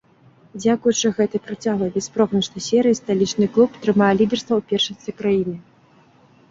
Дзякуючы гэтай працяглай бяспройгрышнай серыі сталічны клуб трымае лідарства ў першынстве краіны.